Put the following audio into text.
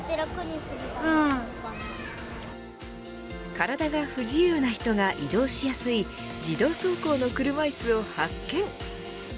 体が不自由な人が移動しやすい自動走行の車いすを発見。